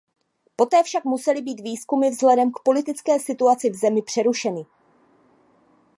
Poté však musely být výzkumy vzhledem k politické situaci v zemi přerušeny.